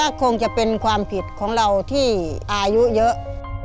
ก็คงจะเป็นความผิดของเราที่อายุเยอะ